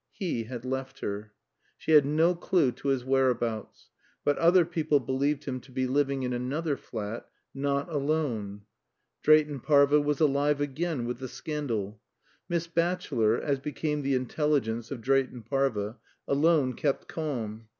He had left her. She had no clue to his whereabouts; but, other people believed him to be living in another flat not alone. Drayton Parva was alive again with the scandal. Miss Batchelor, as became the intelligence of Drayton Parva, alone kept calm.